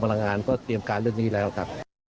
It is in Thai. พลังงานก็เตรียมการเรื่องนี้แล้วครับ